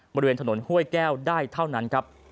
บริเวณถนนห้วยแก้วได้เท่านั้นครับ